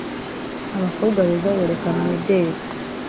abakobwa beza berekana imideli